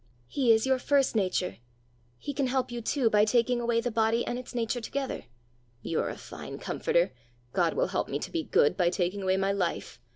"He is your first nature. He can help you too by taking away the body and its nature together." "You're a fine comforter! God will help me to be good by taking away my life!